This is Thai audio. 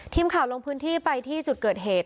ทีมข่าวลงพื้นที่ไปที่จุดเกิดเหตุ